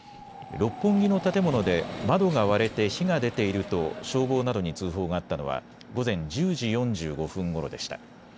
六本木の建物で窓が割れて火が出ていると消防などに通報があったのは午前１０時４５分ごろでした。